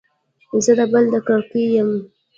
زه د بل د کرکې يم.